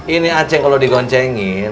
ini aceng kalau digoncengin